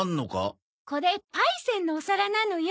これパイセンのお皿なのよ。